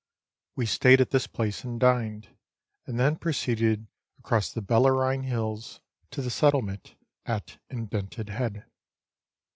We stayed at this place and dined, and then proceeded across the Bellarine Hills to the settlement at Indented Head.